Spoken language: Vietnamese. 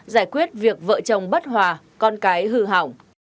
giải quyết việc vợ chồng bất hòa con cái hư hỏng